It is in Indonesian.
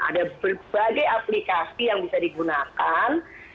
ada berbagai aplikasi yang bisa digunakan